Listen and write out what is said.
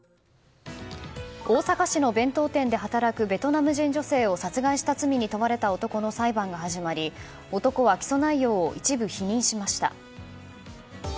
大阪市の弁当店で働くベトナム人女性を殺害した罪に問われた男の裁判が始まり男は起訴内容を一部否認しました。